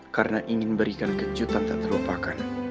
karena ingin berikan kejutan tak terlupakan